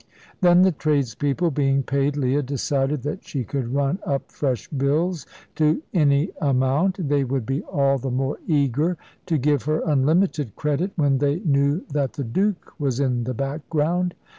Then, the tradespeople being paid, Leah decided that she could run up fresh bills to any amount: they would be all the more eager to give her unlimited credit when they knew that the Duke was in the background.